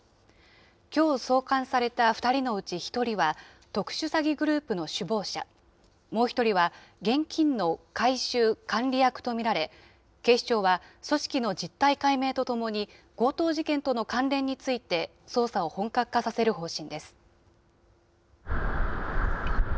きょう送還された２人のうち１人は、特殊詐欺グループの首謀者、もう一人は現金の回収・管理役と見られ、警視庁は組織の実態解明とともに、強盗事件との関連について、捜査を本格化させる方針です。